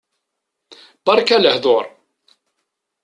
Beṛka lehḍuṛ.